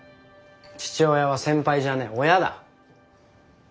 父親は先輩じゃねえ親だ。